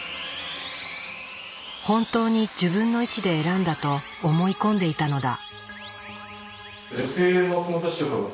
本当に自分の意志で選んだと思い込んでいたのだ。